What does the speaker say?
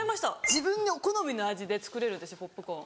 自分の好みの味で作れるんですポップコーン。